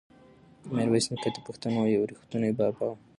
میرویس نیکه د پښتنو یو ریښتونی بابا و.